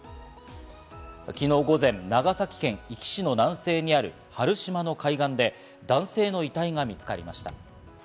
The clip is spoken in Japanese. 昨日午前、長崎県壱岐市の南西にある原島の海岸で、男性の遺体が見つかりました。